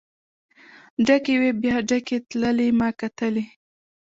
ډکې وې بیا ډکې تللې ما کتلی.